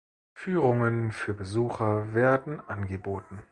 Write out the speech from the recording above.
Führungen für Besucher werden angeboten.